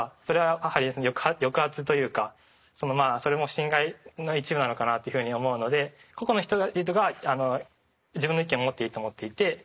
それは抑圧というかそれも侵害の一部なのかなっていうふうに思うので個々の人々が自分の意見を持っていいと思っていて。